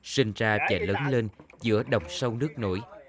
sinh ra và lớn lên giữa đồng sâu nước nổi